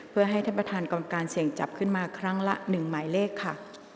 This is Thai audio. เพื่อให้ท่านประธานกองการเสี่ยงจับขึ้นมาครั้งละ๑หมายเลขค่ะ